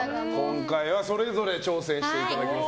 今回はそれぞれ挑戦していただきます。